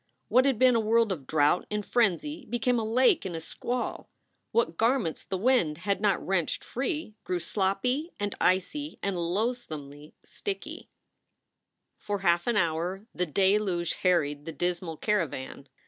What had been a world of drought in frenzy became a lake in a squall. What garments the wind had not wrenched free grew sloppy and icy and loathsomely sticky. SOULS FOR SALE 139 For half an hour the deluge harried the dismal caravan.